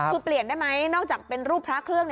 คือเปลี่ยนได้ไหมนอกจากเป็นรูปพระเครื่อง